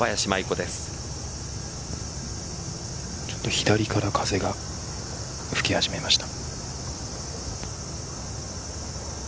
ちょっと左から風が吹き始めました。